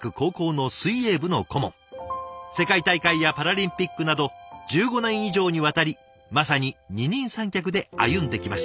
世界大会やパラリンピックなど１５年以上にわたりまさに二人三脚で歩んできました。